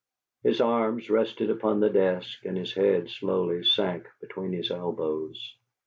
His arms rested upon the desk, and his head slowly sank between his elbows.